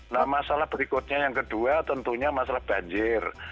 nah masalah berikutnya yang kedua tentunya masalah banjir